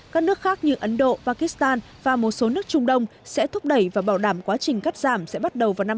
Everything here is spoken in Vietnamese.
các nước khác như ấn độ pakistan và một số nước trung đông sẽ thúc đẩy và bảo đảm quá trình cắt giảm sẽ bắt đầu vào năm hai nghìn hai mươi